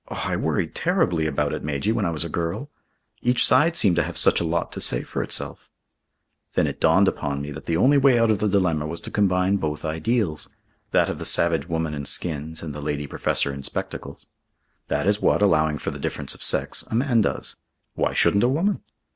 Oh, I worried terribly about it, Majy, when I was a girl. Each side seemed to have such a lot to say for itself. Then it dawned upon me that the only way out of the dilemma was to combine both ideals that of the savage woman in skins and the lady professor in spectacles. That is what, allowing for the difference of sex, a man does. Why shouldn't a woman?